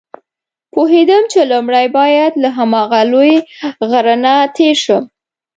پوهېدم چې لومړی باید له هماغه لوی غره نه تېر شم.